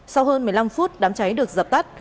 sau hơn một mươi năm phút đám cháy được dập tắt